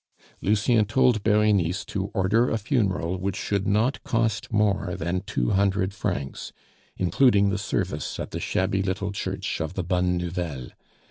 Lucien told Berenice to order a funeral which should not cost more than two hundred francs, including the service at the shabby little church of the Bonne Nouvelle.